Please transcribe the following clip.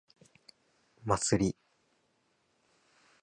祭り